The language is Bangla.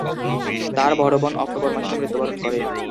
তার বড় বোন অক্টোবর মাসে মৃত্যুবরণ করে।